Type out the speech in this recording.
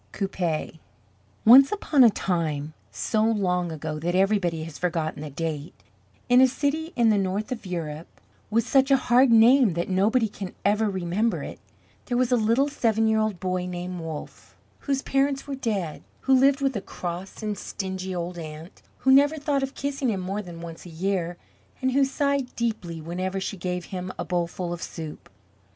FOSTER Once upon a time so long ago that everybody has forgotten the date in a city in the north of Europe with such a hard name that nobody can ever remember it there was a little seven year old boy named Wolff, whose parents were dead, who lived with a cross and stingy old aunt, who never thought of kissing him more than once a year and who sighed deeply whenever she gave him a bowlful of soup.